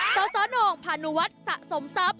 เจ้าซ้อนองภาณวัฒน์สะสมทรัพย์